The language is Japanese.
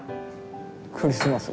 クリスマスが？